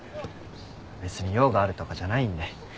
別に用があるとかじゃないんで。